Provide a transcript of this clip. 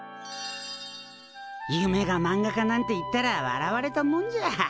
夢がまんが家なんて言ったら笑われたもんじゃ。